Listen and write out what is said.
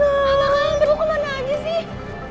apa apaan berluku mana aja sih